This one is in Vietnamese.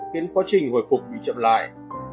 khiến quá trình hồi phục bị chậm lại